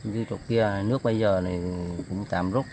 như chỗ kia nước bây giờ cũng tạm rút